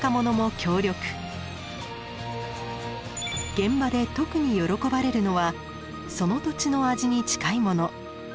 現場で特に喜ばれるのはその土地の味に近いもの。